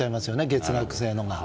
月額制のが。